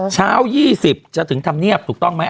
เช้า๒๐จะถึงธรรมเนียบถูกต้องไหม